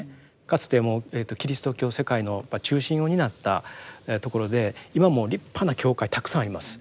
かつてもうキリスト教世界の中心を担ったところで今も立派な教会たくさんあります。